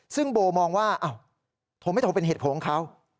ซึ่งโบมองว่าอ้าวโทรไม่โทรเป็นเหตุผลของเขา